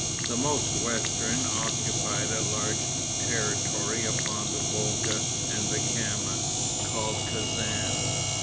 The most western occupied a large territory upon the Volga and the Kama, called Kezan.